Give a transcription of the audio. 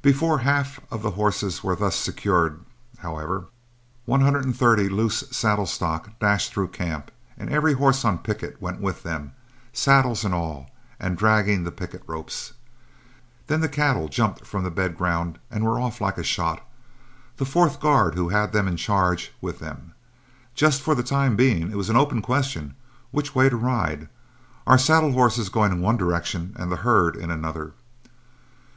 Before half of the horses were thus secured, however, one hundred and thirty loose saddle stock dashed through camp, and every horse on picket went with them, saddles and all, and dragging the picket ropes. Then the cattle jumped from the bed ground and were off like a shot, the fourth guard, who had them in charge, with them. Just for the time being it was an open question which way to ride, our saddle horses going in one direction and the herd in another.